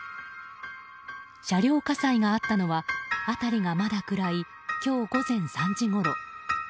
車両火災があったのは辺りがまだ暗い今日午前３時ごろ。